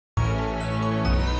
kunci pintunya ya bi